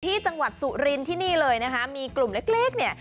ที่จังหวัดสุรินที่นี่เลยนะคะมีกลุ่มเล็กเนี่ย